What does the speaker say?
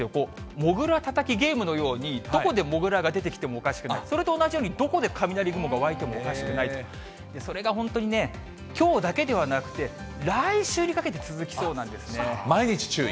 もぐらたたきゲームのようにどこでもぐらが出てきてもおかしくない、それと同じようにどこで雷雲が湧いてもおかしくないという、それが本当にね、きょうだけではなくて、来週にかけて続きそうな毎日注意？